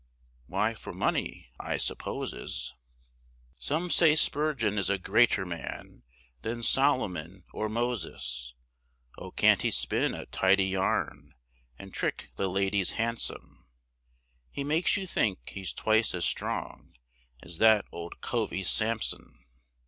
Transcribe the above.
Why, for money, I supposes; Some say Spurgeon is a greater man, Than Soloman or Moses. Oh, can't he spin a tidy yarn, And trick the ladies handsome, He makes you think he's twice as strong As that old covey Sampson.